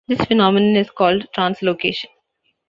This phenomenon is called translocation.